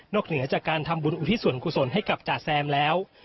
เหนือจากการทำบุญอุทิศส่วนกุศลให้กับจ๋าแซมแล้ว